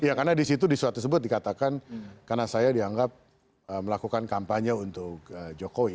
ya karena disitu disuatu sebut dikatakan karena saya dianggap melakukan kampanye untuk jokowi